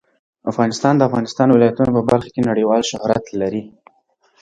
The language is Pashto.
افغانستان د د افغانستان ولايتونه په برخه کې نړیوال شهرت لري.